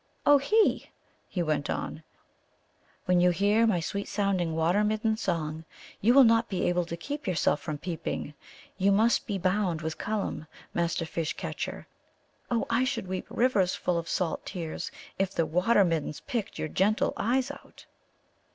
"Ohé!" he went on, "when you hear my sweet sounding Water middens' song, you will not be able to keep yourself from peeping. You must be bound with Cullum, Master Fish catcher. Oh, I should weep riversful of salt tears if the Water middens picked your gentle eyes out."